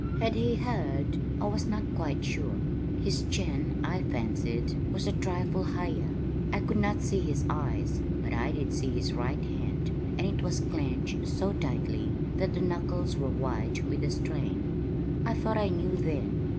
Had he heard? I was not quite sure. His chin, I fancied, was a trifle higher. I could not see his eyes, but I did see his right hand; and it was clenched so tightly that the knuckles were white with the strain. I thought I knew then.